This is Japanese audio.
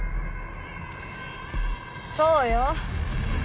そうよ。